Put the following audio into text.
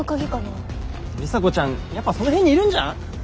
里紗子ちゃんやっぱその辺にいるんじゃん？